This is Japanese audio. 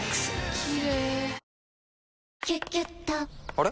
あれ？